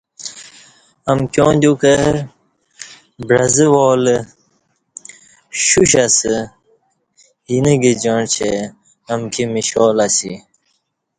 امکیاں دیوکں بعزہ والہ شوش اسہ اینہ گجاعں چہ امکی میشالہ اسی